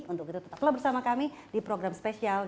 untuk itu tetaplah bersama kami di program spesial